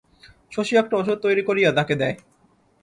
শশী একটা ওষুধ তৈরি করিয়া তাকে দেয়।